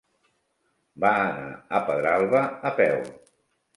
Va anar a Pedralba a peu.